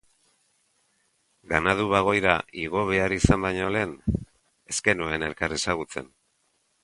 Ganadu-bagoira igo behar izan baino lehen, ez genuen elkar ezagutzen.